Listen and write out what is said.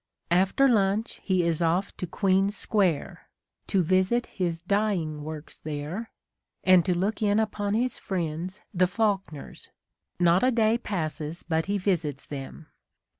After lunch he is off to Queen's Square, to visit his dyeing works there, and to look in upon his friends the Faulkners : not a day passes but he visits them.